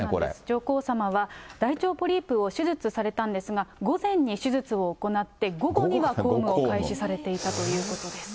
上皇さまは大腸ポリープを手術されたんですが、午前に手術を行って、午後には公務を開始されていたということです。